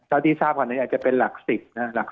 เท่าที่ทราบคำนั้นอาจจะเป็นหลัก๑๐นะหลัก๑๐